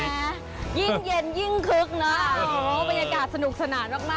ยิ่งเย็นยิ่งคึกนะบรรยากาศสนุกสนานมากแล้วก็อยู่อร่อยด้วย